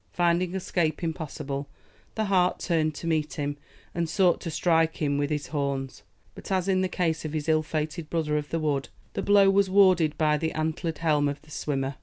Finding escape impossible, the hart turned to meet him, and sought to strike him with his horns, but as in the case of his ill fated brother of the wood, the blow was warded by the antlered helm of the swimmer.